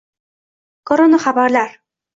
Koronaxabarlar